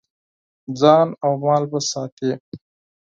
ځان او مال به ساتې.